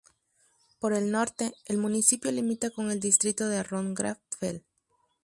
Por el norte, el municipio limita con el distrito de Rhön-Grabfeld.